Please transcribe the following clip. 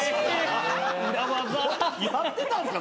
やってたんすか？